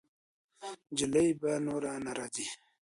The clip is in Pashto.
جلۍ به نوره نه راځي.